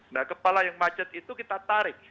nah kepala yang macet itu kita tarik